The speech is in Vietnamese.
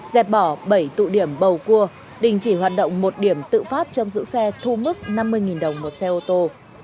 dẹp bỏ bảy tụ điểm bầu cua đình chỉ hoạt động một điểm tự phát trong giữ xe thu mức năm mươi đồng một xe ô tô